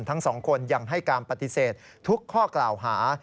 ทั้งสองคนยังให้การปฏิเสธทุกข้อกล่าวหา